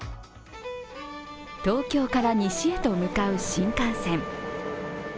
東京から西へと向かう新幹線。